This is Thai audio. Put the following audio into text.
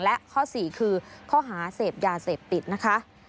และข้อ๔คือข้อหาเสพยาเสพติดนะคะ